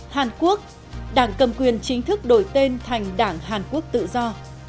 hàn quốc đảng cầm quyền chính thức đổi tên thành đảng hàn quốc tự do